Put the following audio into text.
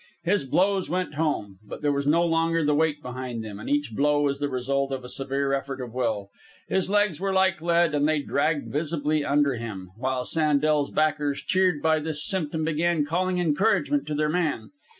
His blows went home, but there was no longer the weight behind them, and each blow was the result of a severe effort of will. His legs were like lead, and they dragged visibly under him; while Sandel's backers, cheered by this symptom, began calling encouragement to their man.